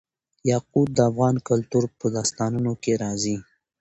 یاقوت د افغان کلتور په داستانونو کې راځي.